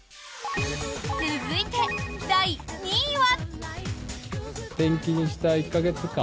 続いて、第２位は。